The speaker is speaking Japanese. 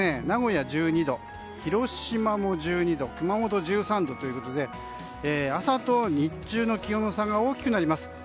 名古屋、１２度広島、１２度熊本、１３度ということで朝と日中の気温差が大きくなります。